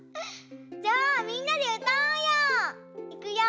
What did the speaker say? じゃあみんなでうたおうよ！